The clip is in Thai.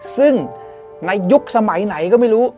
ซึ่งในยุคสมัยไหนก็ไม่รู้